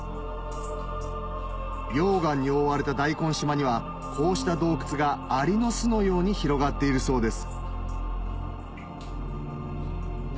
溶岩に覆われた大根島にはこうした洞窟がアリの巣のように広がっているそうです